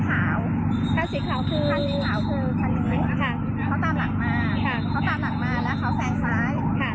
เขาแซงได้แนวขวางเขาขวางเสร็จเขาจะท่ามไปใช้เลนที่สวดมา